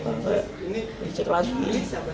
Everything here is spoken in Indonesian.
tapi tidak dicek lagi